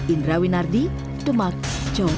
indra winardi demak jawa barat